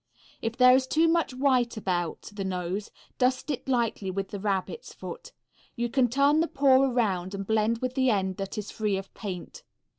If there is too much white about the nose, dust it lightly with the rabbit's foot. You can turn the paw around and blend with the end that is free of paint.